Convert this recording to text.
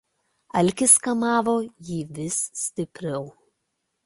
Alkis kamavo jį vis stipriau.